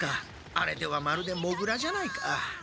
あれではまるでモグラじゃないか。